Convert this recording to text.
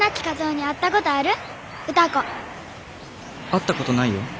「会ったことないよ